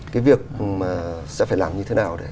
cái việc mà sẽ phải làm như thế nào